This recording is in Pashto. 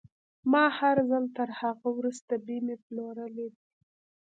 ما هر ځل تر هغه وروسته بيمې پلورلې دي.